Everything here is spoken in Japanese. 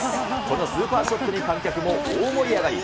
このスーパーショットに、観客も大盛り上がり。